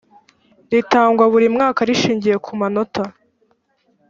ritangwa buri mwaka rishingiye ku manota